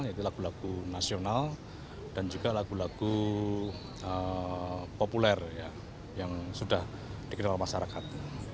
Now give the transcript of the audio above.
jadi lagu lagu nasional dan juga lagu lagu populer yang sudah dikira oleh masyarakat